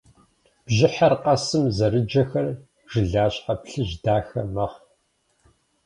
Бжьыхьэр къэсым зэрыджэхэр жылащхьэ плъыжь дахэ мэхъу.